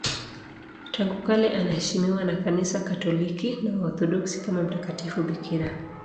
Tangu kale anaheshimiwa na Kanisa Katoliki na Waorthodoksi kama mtakatifu bikira.